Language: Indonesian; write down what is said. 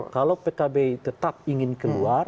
kalau pkb tetap ingin keluar